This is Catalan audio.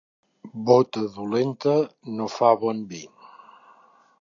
Bota dolenta no fa bon vi.